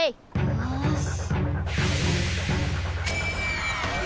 よし！